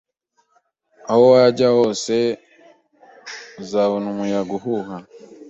Aho wajya hose mu Buholandi, uzabona umuyaga uhuha